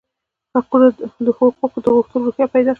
حقوقو د غوښتلو روحیه پیدا شوه.